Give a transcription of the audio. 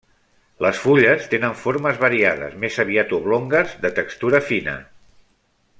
Les fulles tenen formes variades, més aviat oblongues, de textura fina.